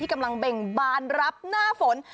กำลังเบ่งบานรับหน้าฝน